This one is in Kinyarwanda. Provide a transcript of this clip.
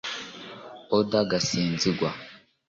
Oda Gasinzigwa